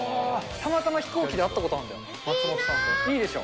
たまたま飛行機で会ったことあるんだよ。